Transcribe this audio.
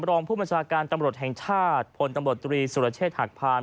รองผู้บัญชาการตำรวจแห่งชาติพลตำรวจตรีสุรเชษฐหักพาน